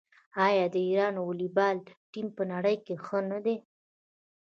آیا د ایران والیبال ټیم په نړۍ کې ښه نه دی؟